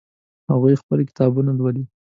هغوی خپلې کتابونه لولي